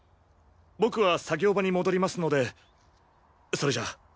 僕は作業場に戻りますのでそれじゃ。